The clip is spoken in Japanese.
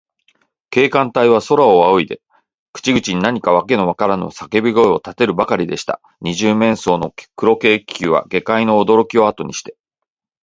警官隊は、空をあおいで、口々に何かわけのわからぬさけび声をたてるばかりでした。二十面相の黒軽気球は、下界のおどろきをあとにして、